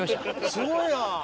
すごいな！